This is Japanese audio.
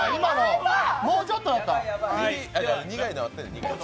もうちょっとでした。